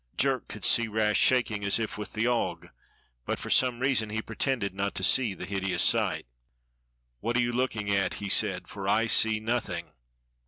Jerk could see Rash shaking as if with the ague, but for some reason he pretended not to see the hideous sight. "What are you looking at.^^" he said, "for I see nothing."